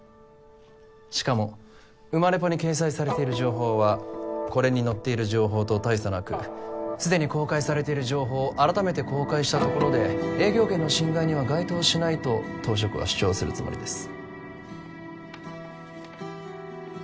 しかもウマレポに掲載されている情報はこれに載っている情報と大差なくすでに公開されている情報を改めて公開したところで営業権の侵害には該当しないと当職は主張するつもりです